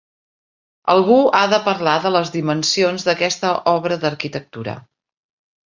Algú ha de parlar de les dimensions d'aquesta obra d'arquitectura.